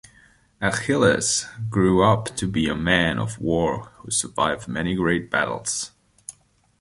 Achilles grew up to be a man of war who survived many great battles.